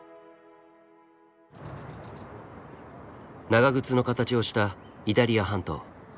長靴の形をしたイタリア半島。